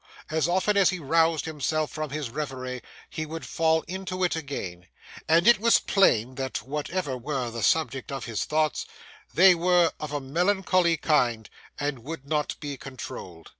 As often as he roused himself from his reverie he would fall into it again, and it was plain that, whatever were the subject of his thoughts, they were of a melancholy kind, and would not be controlled.